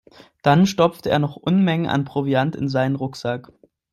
Dann stopfte er noch Unmengen an Proviant in seinen Rucksack.